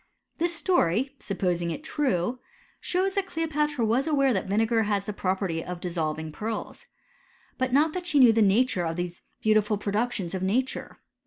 t This stonr, supposing it true, shows that Cleopatra was aware that vinegar has the prv^perty of dissolving pearls. But not that she knew the nature of these beautiful productions of nature.